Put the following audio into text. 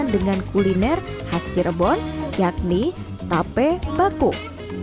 dengan kuliner khas cirebon yakni tape bakung